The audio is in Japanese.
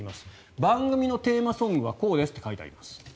番組のテーマソングはこうですって書いてあります。